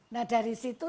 nah dari situ